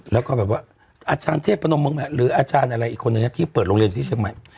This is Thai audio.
แล้วก็อาจารย์เทพปนมมหรืออาจารย์อีกคนที่เปิดโรงเรียนที่เชียงใหม่